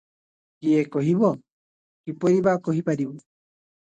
କିଏ କହିବ; କିପରି ବା କହିପାରିବ?